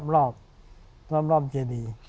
รอบรอบเจดี